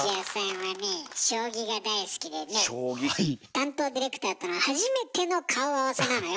担当ディレクターとの初めての顔合わせなのよ？